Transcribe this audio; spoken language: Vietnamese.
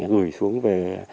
và gửi xuống về